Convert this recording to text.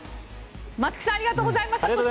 松木さんありがとうございました。